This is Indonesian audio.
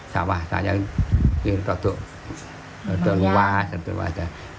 sawah saya itu terlalu luas terlalu banyak